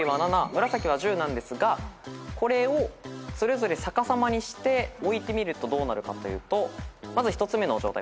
これをそれぞれ逆さまにして置いてみるとどうなるかというとまず１つ目の状態